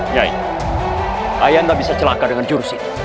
nyai ayah tidak bisa celaka dengan jurus ini